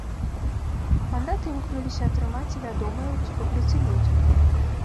Мандаты імкнуліся атрымаць і вядомыя ў рэспубліцы людзі.